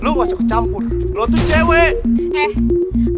lu wajah kecampur lu tuh cewek